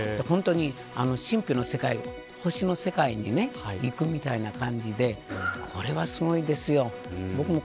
神秘の世界、星の世界に行くみたいな感じでこれは、すごいですよ。